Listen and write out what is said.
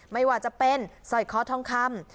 ไม่ว่าจะเป็นสร้อยคอทองคำ